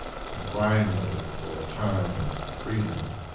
and finally, for a time, freedom.